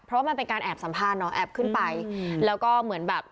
เพราะว่ามันเป็นการแอบสัมภาษณ์เนาะแอบขึ้นไปแล้วก็เหมือนแบบ